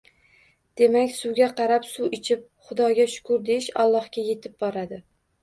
Demak, suvga qarab, suv ichib, “Xudoga shukur”, deyish Allohga yetib boradi